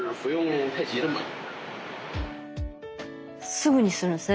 すぐにするんですね